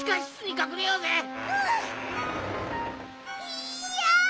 いや！